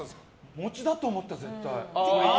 餅だと思った、絶対。